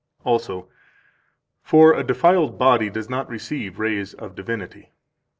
166 Also: "For a defiled body does not receive rays of divinity."